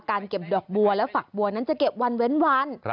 เก็บดอกบัวและฝักบัวนั้นจะเก็บวันเว้นวัน